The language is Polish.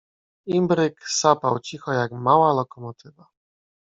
Imbryk sapał cicho, jak mała lokomo tywa.